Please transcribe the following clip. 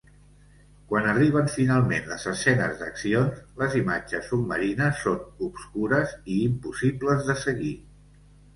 Quan arriben finalment les escenes d'accions, les imatges submarines són obscures i impossibles de seguir.